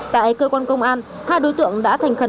tại cơ quan công an hai đối tượng đã thành khẩn